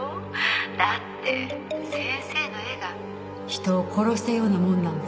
「だって先生の絵が人を殺したようなものなんですから」